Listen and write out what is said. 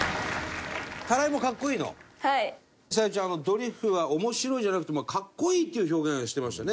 沙夜ちゃんドリフは面白いじゃなくて格好いいっていう表現してましたね